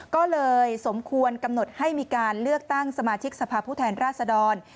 ก็เลยสมควรกำหนดให้มีการเลือกตั้งสมาชิกสภาพผู้แทนราชดร